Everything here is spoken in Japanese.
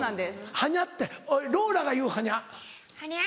「はにゃ？」っておいローラが言う「はにゃ？」。はにゃ？